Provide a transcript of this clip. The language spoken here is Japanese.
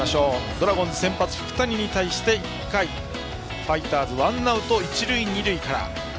ドラゴンズ先発福谷に対して１回ファイターズワンアウト一塁二塁から。